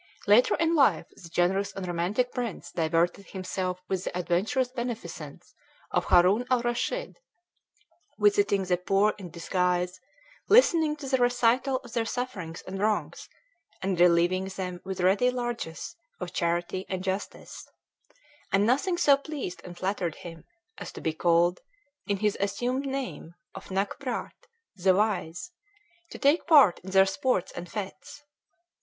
Later in life the generous and romantic prince diverted himself with the adventurous beneficence of Haroun al Raschid, visiting the poor in disguise, listening to the recital of their sufferings and wrongs, and relieving them with ready largesse of charity and justice; and nothing so pleased and flattered him as to be called, in his assumed name of Nak Pratt, "the wise," to take part in their sports and fêtes.